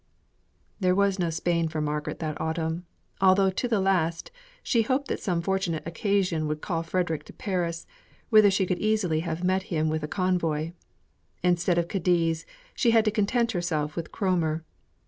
There was no Spain for Margaret that autumn; although to the last she hoped that some fortunate occasion would call Frederick to Paris, whither she could easily have met with a convoy. Instead of Cadiz, she had to content herself with Cromer.